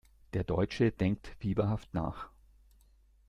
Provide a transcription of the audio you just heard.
Der Deutsche denkt fieberhaft nach.